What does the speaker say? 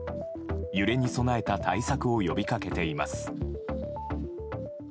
揺れに備えた対策を呼び掛けています。